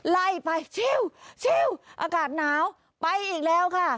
ไล่ไปชิวอากาศหนาวไปอีกแล้วค่ะ